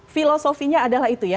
filosofinya adalah itu ya